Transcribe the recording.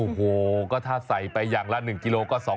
อู๊หูก็ถ้าใส่ไปอย่างร้าน๑กิโลกรัม